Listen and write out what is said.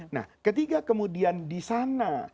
nah ketika kemudian disana